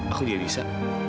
aku dia bisa